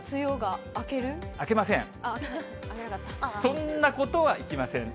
そんなことはいきません。